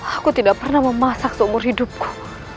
aku tidak pernah memasak seumur hidupku